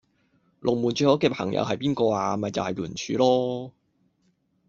龍門最好既朋友係邊個呀？咪係龍門柱囉